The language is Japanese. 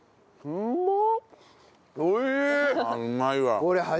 うまっ！